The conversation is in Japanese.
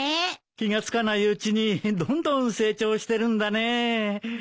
気が付かないうちにどんどん成長してるんだねえ。